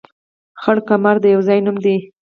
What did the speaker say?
خړ کمر د يو ځاى نوم دى